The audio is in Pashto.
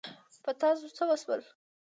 په تاسو څه وشول؟